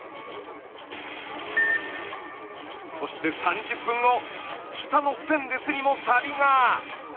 そして３０分後下のステンレスにもサビが。